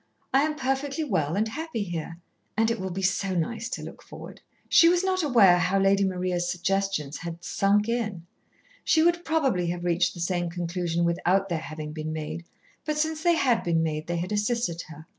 I am perfectly well and happy here. And it will be so nice to look forward." She was not aware how Lady Maria's suggestions had "sunk in." She would probably have reached the same conclusion without their having been made, but since they had been made, they had assisted her.